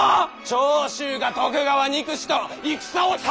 長州が徳川憎しと戦を。